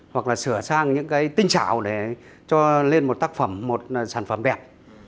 hoặc là sửa sang những cái tinh xảo để cho lên một tác phẩm một sản phẩm đẹp